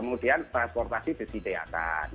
kemudian transportasi disediakan